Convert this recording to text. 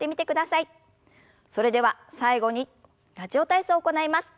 それでは最後に「ラジオ体操」を行います。